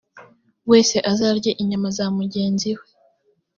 wese azarye inyama za mugenzi we